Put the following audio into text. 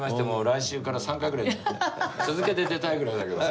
来週から３回ぐらい続けて出たいぐらいだけど。